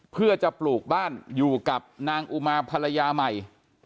เพื่อจะปลูกบ้านอยู่กับนางอุมาภรรยาใหม่